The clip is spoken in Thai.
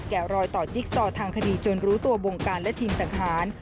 รอยต่อจิ๊กซอทางคดีจนรู้ตัววงการและทีมสังหาร